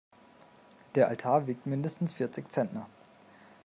Der Altar wiegt mindestens vierzig Zentner.